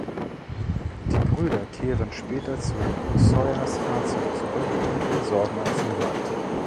Die Brüder kehren später zu Sawyers Fahrzeug zurück und entsorgen es im Wald.